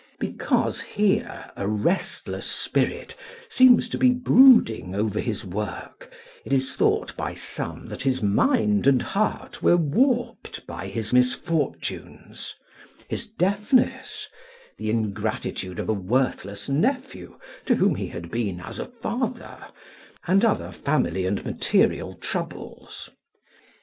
Because here a restless spirit seems to be brooding over his work, it is thought by some that his mind and heart were warped by his misfortunes his deafness, the ingratitude of a worthless nephew to whom he had been as a father, and other family and material troubles.